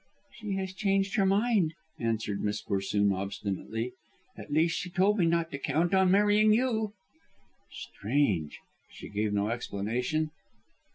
"She has changed her mind," answered Miss Corsoon obstinately, "at least, she told me not to count on marrying you." "Strange. She gave no explanation?"